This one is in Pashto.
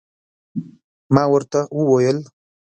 ما ورته وویل